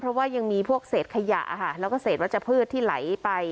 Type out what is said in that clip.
เพราะว่ายังมีพวกเศษขยะค่ะแล้วก็เศษวัชพืชที่ไหลไป